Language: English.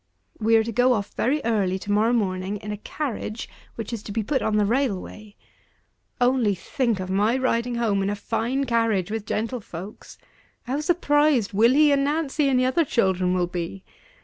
We are to go off very early to morrow morning in a carriage, which is to be put on the railway. Only think of my riding home in a fine carriage, with gentlefolks! how surprised Willie, and Nancy, and the other children will be!